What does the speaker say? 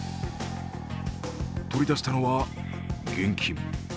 取り出したのは現金。